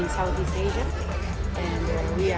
yang kami miliki di asia tenggara